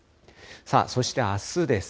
そしてあすです。